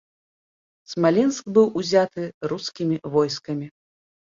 Смаленск быў узяты рускімі войскамі.